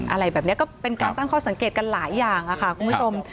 อะไรแบบนี้ก็เป็นการตั้งข้อสังเกตกันหลายอย่างค่ะคุณผู้ชม